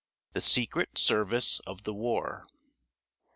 THE SECRET SERVICE OF THE WAR.